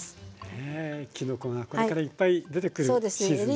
ねえきのこがこれからいっぱい出てくるシーズンですね。